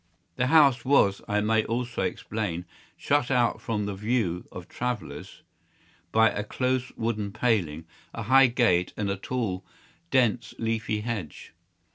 The house was, I may also explain, shut out from the view of travellers by a close wooden paling, a high gate, and a tall, dense, leafy hedge.